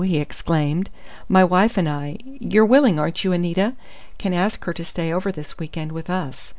he exclaimed. "My wife and I you're willing, aren't you, Anita? can ask her to stay over this week end with us.